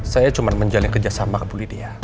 saya cuma menjalin kerja sama ke bu lydia